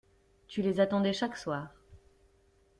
Tu les attendais chaque soir.